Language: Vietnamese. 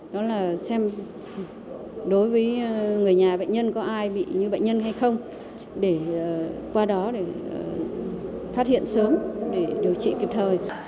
đó là xem đối với người nhà bệnh nhân có ai bị như bệnh nhân hay không để qua đó để phát hiện sớm để điều trị kịp thời